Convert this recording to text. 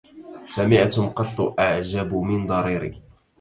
سمعتم قط أعجب من ضرير